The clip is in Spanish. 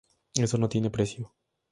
Eso no tiene precio.